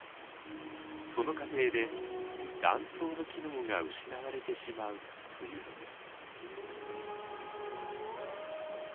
その過程で卵巣の機能が失われてしまうというのです。